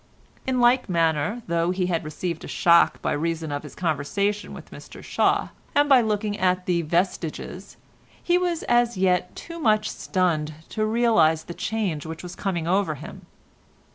In like manner, though he had received a shock by reason of his conversation with Mr Shaw, and by looking at the "Vestiges," he was as yet too much stunned to realise the change which was coming over him.